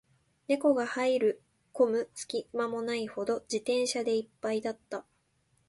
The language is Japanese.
猫が入る込む隙間もないほど、自転車で一杯だった